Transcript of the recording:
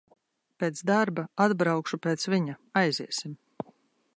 Pēc darba atbraukšu pēc viņa, aiziesim.